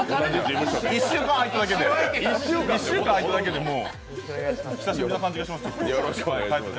１週間空いただけで久しぶりの感じがします。